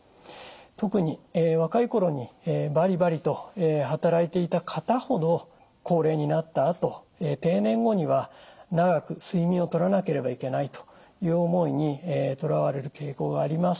特に若い頃にバリバリと働いていた方ほど高齢になったあと定年後には長く睡眠をとらなければいけないという思いにとらわれる傾向があります。